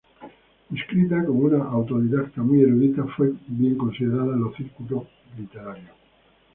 Descrita como una autodidacta muy erudita, fue bien considerada en los círculos literarios.